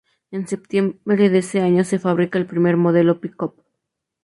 En septiembre de ese año se fabrica el primer modelo pick-up.